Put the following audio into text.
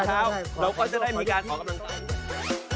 เราก็จะได้มีการออกกำลังกาย